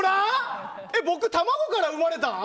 僕、卵から生まれたん？